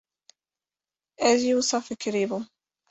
- Ez jî wisa fikirîbûm.